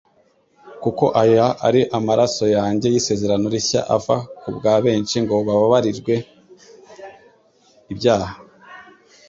kuko aya ari amaraso yanjye y'Isezerano Rishya ava kubwa benshi ngo bababarirwe ibyaha.